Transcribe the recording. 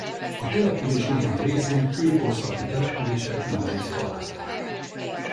A település néhány részén kőkorszaki települések nyomait találták.